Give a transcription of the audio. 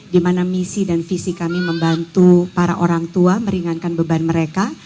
dimana misi dan visi kami membantu para orang tua meringankan beban mereka